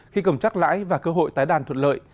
khi cầm trắc lãi và cơ hội tái đàn thuận lợi